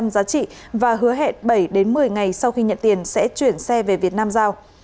giá trị và hứa hẹn bảy một mươi ngày sau khi nhận tiền sẽ chuyển xe về việt nam giao